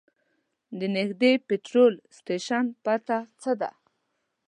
د نږدې پټرول سټیشن پته څه ده؟